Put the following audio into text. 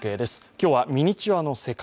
今日はミニチュアの世界。